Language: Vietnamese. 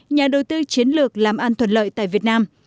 nhà đầu tư chiến lược làm an thuận lợi tại việt nam